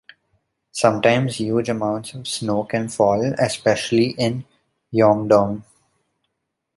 Sometimes huge amounts of snow can fall, especially in Yeongdong.